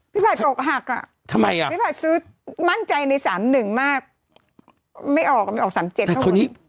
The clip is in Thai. พี่ฝ่ายตกหักอ่ะพี่ฝ่ายซื้อมั่นใจในสามหนึ่งมากไม่ออกไม่ออกสามเจ็ดข้างบน